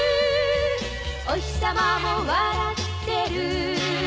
「おひさまも笑ってる」